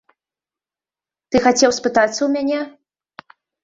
Ты хацеў спытацца ў мяне?